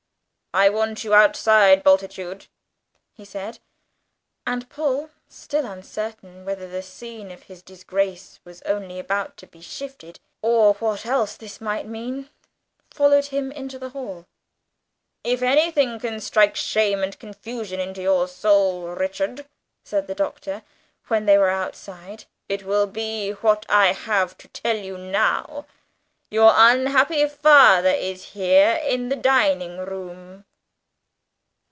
"I want you outside, Bultitude," he said; and Paul, still uncertain whether the scene of his disgrace was only about to be shifted, or what else this might mean, followed him into the hall. "If anything can strike shame and confusion into your soul, Richard," said the Doctor, when they were outside, "it will be what I have to tell you now. Your unhappy father is here, in the dining room."